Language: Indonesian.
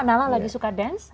nala lagi suka dance